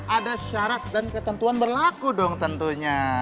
ada syarat dan ketentuan berlaku dong tentunya